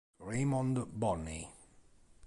Raymond Bonney